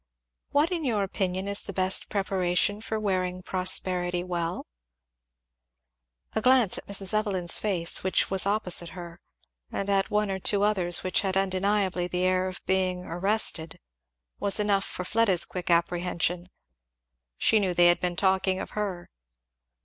"What in your opinion is the best preparation for wearing prosperity well?" A glance at Mrs. Evelyn's face which was opposite her, and at one or two others which had undeniably the air of being arrested, was enough for Fleda's quick apprehension. She knew they had been talking of her.